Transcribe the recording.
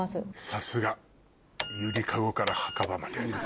さすが揺り籠から墓場まで。